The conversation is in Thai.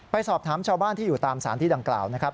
ไปสอบถามชาวบ้านที่อยู่ตามสารที่ดังกล่าวนะครับ